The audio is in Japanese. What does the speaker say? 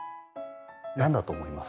何だと思います？